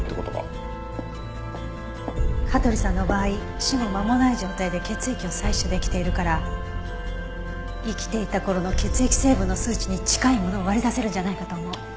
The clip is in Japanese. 香取さんの場合死後間もない状態で血液を採取できているから生きていた頃の血液成分の数値に近いものを割り出せるんじゃないかと思う。